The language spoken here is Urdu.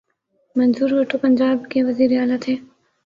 منظور وٹو پنجاب کے وزیر اعلی تھے۔